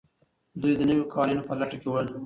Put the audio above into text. دوی د نویو قوانینو په لټه کې ول.